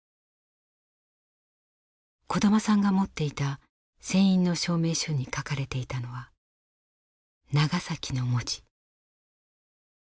小玉さんが持っていた船員の証明書に書かれていたのは「ナガサキ」の文字。